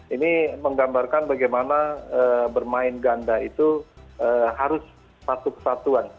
ini menggambarkan bagaimana bermain ganda itu harus satu kesatuan